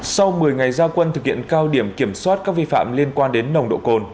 sau một mươi ngày gia quân thực hiện cao điểm kiểm soát các vi phạm liên quan đến nồng độ cồn